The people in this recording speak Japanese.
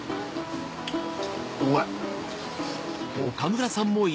うまい！